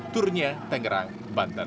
turnya tenggerang banten